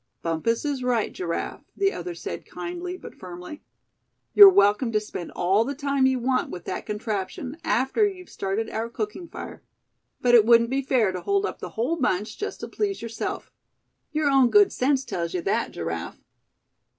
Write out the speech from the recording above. "Bumpus is right, Giraffe," the other said, kindly but firmly. "You're welcome to spend all the time you want with that contraption, after you've started our cooking fire; but it wouldn't be fair to hold up the whole bunch just to please yourself. Your own good sense tells you that, Giraffe."